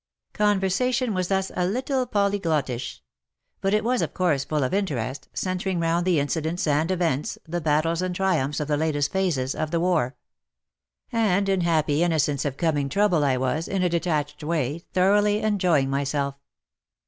Conver sation was thus a little polyglottish. But it was, of course, full of interest, centring round the incidents and events, the battles and triumphs of the latest phases of the war. And in happy innocence of coming trouble I was, in a detached way, thoroughly enjoying myself.